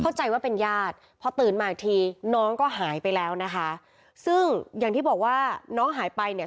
เข้าใจว่าเป็นญาติพอตื่นมาอีกทีน้องก็หายไปแล้วนะคะซึ่งอย่างที่บอกว่าน้องหายไปเนี่ย